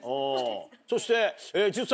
そして。